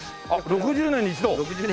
６０年に一度。